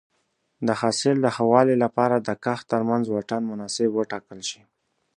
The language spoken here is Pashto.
د حاصل د ښه والي لپاره د کښت ترمنځ واټن مناسب وټاکل شي.